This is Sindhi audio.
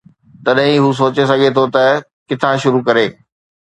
تڏهن ئي هو سوچي سگهي ٿو ته ڪٿان شروع ڪري.